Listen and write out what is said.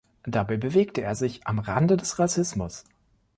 Dabei bewegte er sich am Rande des Rassismus.